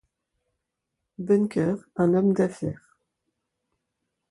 Bunker, un homme d'affaires.